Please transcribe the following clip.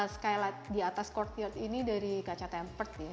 skylight di atas courtyard ini dari kaca tempert ya